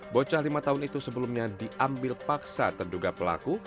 bocah lima tahun itu sebelumnya diambil paksa terduga pelaku